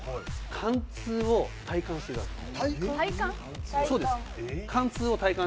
貫通を体感してください。